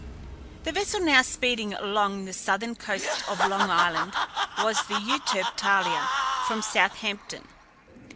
The vessel now speeding along the southern coast of Long Island was the Euterpe Thalia, from Southampton.